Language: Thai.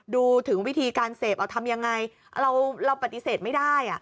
ดูถึงวิธีการเสพเอาทำยังไงเราปฏิเสธไม่ได้